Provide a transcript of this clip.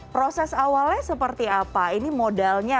proses awalnya seperti apa ini modalnya